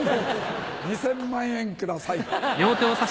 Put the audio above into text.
２０００万円ください。